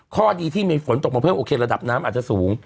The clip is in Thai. ข้อดีที่มีฝนตกมาเพิ่มโอเคระดับน้ำอาจจะสูง